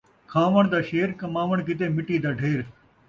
کھاوݨ دا شیر ، کماوݨ کیتے مٹی دا ڈھیر